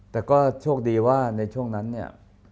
แต่ก็โชคดีว่าในช่วงนั้นเนี่ย